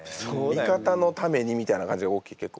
味方のためにみたいな感じが大きい結構。